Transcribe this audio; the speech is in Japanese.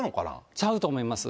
ちゃうと思います。